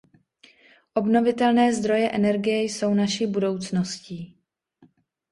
Obnovitelné zdroje energie jsou naší budoucností.